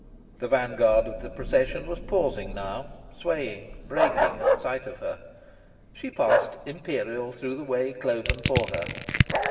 The vanguard of the procession was pausing now, swaying, breaking at sight of her. She passed, imperial, through the way cloven for her.